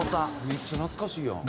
めっちゃ懐かしいやん。